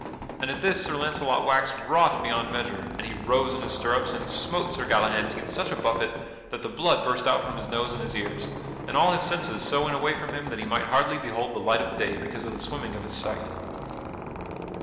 At this Sir Launcelot waxed wroth beyond measure and he rose in his stirrups and he smote Sir Galahantine such a buffet that the blood burst out from his nose and his ears, and all his senses so went away from him that he might hardly behold the light of day because of the swimming of his sight.